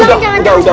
udah jangan kejar